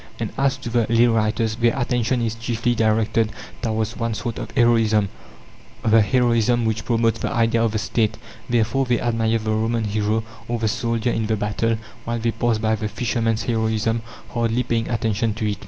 And as to the lay writers, their attention is chiefly directed towards one sort of heroism, the heroism which promotes the idea of the State. Therefore, they admire the Roman hero, or the soldier in the battle, while they pass by the fisherman's heroism, hardly paying attention to it.